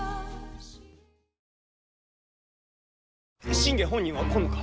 信玄本人は来んのか？